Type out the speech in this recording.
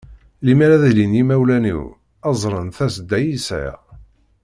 Lemmer ad ilin yimawlan-iw, ad ẓren tasedda i yesɛiɣ.